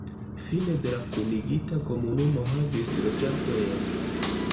Fine de la kunigita komunumo havis loĝantojn.